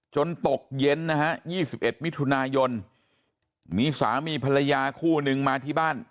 ตกเย็นนะฮะ๒๑มิถุนายนมีสามีภรรยาคู่นึงมาที่บ้าน